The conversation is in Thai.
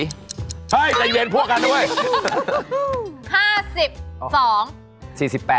เฮ้ยใจเย็นพวกกันนะค่ะ